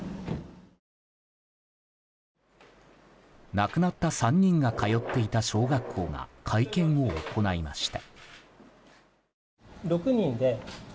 亡くなった３人が通っていた小学校が会見を行いました。